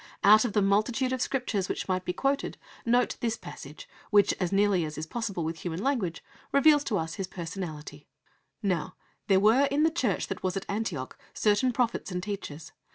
Out of the multitude of Scriptures which might be quoted, note this passage, which, as nearly as is possible with human language, reveals to us His personality: "Now there were in the Church that was at Antioch certain prophets and teachers...